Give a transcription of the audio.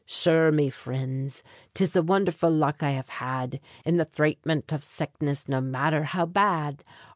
Sure, me frinds, 'tis the wondherful luck I have had In the thratement av sickness no matther how bad.